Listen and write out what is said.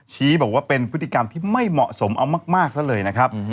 ชี้บอกว่าเป็นพฤติกรรมที่ไม่เหมาะสมเอามากซะเลยนะครับ